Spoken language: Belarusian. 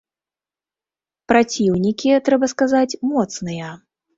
Праціўнікі, трэба сказаць, моцныя!